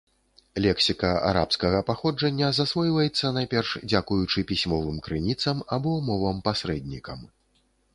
Лексіка арабскага паходжання засвойваецца найперш дзякуючы пісьмовым крыніцам або мовам-пасрэднікам.